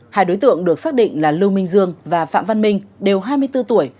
hai đối tượng được xác định là lưu minh dương và phạm văn minh đều hai mươi bốn tuổi